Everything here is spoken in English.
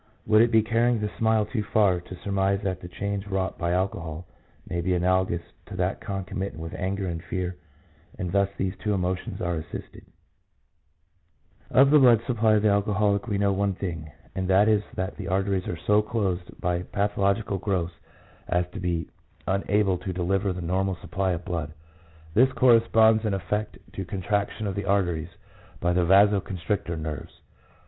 Would it be carrying the simile too far to surmise that the change wrought by alcohol may be analogous to that concomitant with anger and fear, and thus these two emotions are assisted ? Of the 1 G. T. Ladd, Psychology, Descriptive and Explanatory, p. 550. 3 C. Fere, La Pathologie des Emotions. EMOTIONS. 159 blood supply of the alcoholic we know one thing, and that is that the arteries are so closed by patho logical growths, as to be unable to deliver the normal supply of blood. This corresponds in effect to contraction of the arteries by the vaso constrictor nerves.